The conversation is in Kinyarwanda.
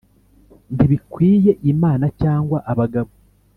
ntibikwiriye imana cyangwa abagabo